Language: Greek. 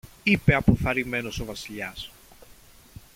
είπε αποθαρρυμένος ο Βασιλιάς.